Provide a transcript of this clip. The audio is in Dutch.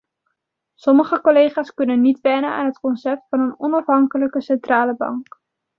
Sommige collega's kunnen niet wennen aan het concept van een onafhankelijke centrale bank.